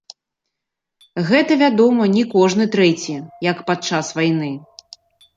Гэта, вядома, не кожны трэці, як падчас вайны.